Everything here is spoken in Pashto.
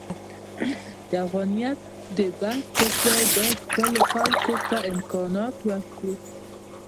د افغانیت د بحث پرځای باید خپلو خلکو ته امکانات ورکړو.